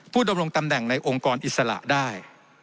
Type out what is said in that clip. ดำรงตำแหน่งในองค์กรอิสระได้